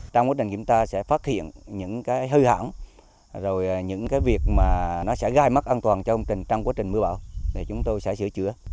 trong quá trình chúng ta sẽ phát hiện những cái hư hỏng rồi những cái việc mà nó sẽ gai mắt an toàn trong quá trình mưa bão thì chúng tôi sẽ sửa chữa